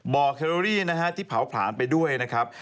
เคโรรี่นะฮะที่เผาผลาญไปด้วยนะครับ